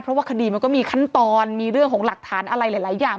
เพราะว่าคดีมันก็มีขั้นตอนมีเรื่องของหลักฐานอะไรหลายอย่าง